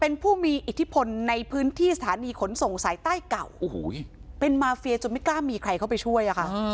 เป็นผู้มีอิทธิพลในพื้นที่สถานีขนส่งสายใต้เก่าโอ้โหเป็นมาเฟียจนไม่กล้ามีใครเข้าไปช่วยอะค่ะ